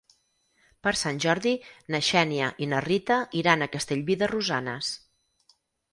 Per Sant Jordi na Xènia i na Rita iran a Castellví de Rosanes.